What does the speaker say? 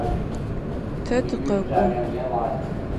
Тэ тыкъэкӏо.